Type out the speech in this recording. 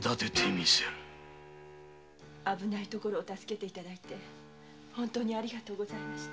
危ないところを本当にありがとうございました。